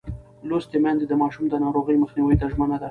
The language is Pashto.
لوستې میندې د ماشوم د ناروغۍ مخنیوي ته ژمنه ده.